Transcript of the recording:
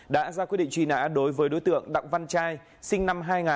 đã ra quyết định truy nã đối với đối tượng đặng văn trai sinh năm hai nghìn